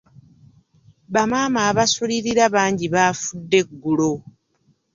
Bamaama abasulirira bangi baafudde eggulo.